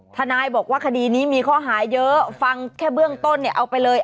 ทนายบอกว่าคดีนี้มีข้อหาเยอะฟังแค่เบื้องต้นเนี่ยเอาไปเลย